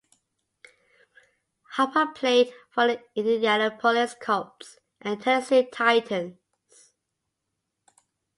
Harper played for the Indianapolis Colts and Tennessee Titans.